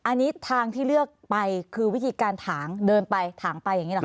อันนี้ทางที่เลือกไปคือวิธีการถางเดินไปถางไปอย่างนี้หรอค